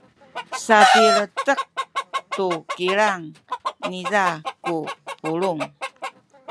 sapiletek tu kilang niza ku pulung.